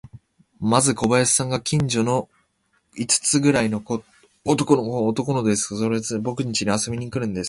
まず小林さんが、近所の五つくらいの男の子を、男の子ですよ、それをつれて、ぼくんちへ遊びに来るんです。